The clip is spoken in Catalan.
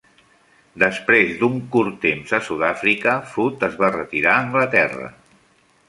Després d'un curt temps a Sudàfrica, Foot es va retirar a Anglaterra.